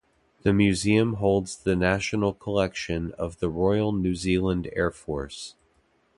The Museum holds the national collection of the Royal New Zealand Air Force.